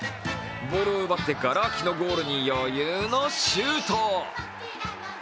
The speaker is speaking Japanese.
ボールを奪って、がら空きのゴールに余裕のシュート。